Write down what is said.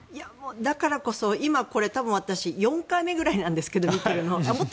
だからこそ今４回目ぐらいなんですけど見ているの。